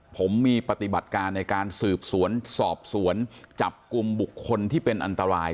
ผมมีปฏิบัติการในการสืบสวนสอบสวนจับกลุ่มบุคคลที่เป็นอันตราย